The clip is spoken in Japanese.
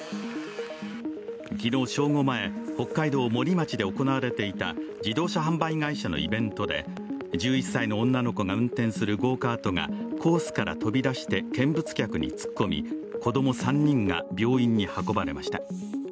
昨日正午前、北海道森町で行われていた自動車販売会社のイベントで１１歳の女の子が運転するゴーカートがコースから飛び出して見物客に突っ込み子供３人が病院に運ばれました。